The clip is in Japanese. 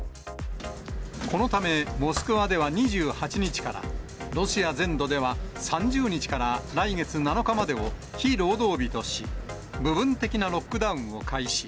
このため、モスクワでは２８日から、ロシア全土では３０日から来月７日までを非労働日とし、部分的なロックダウンを開始。